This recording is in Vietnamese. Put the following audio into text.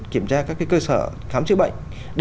kiểm tra các cơ sở khám chữa bệnh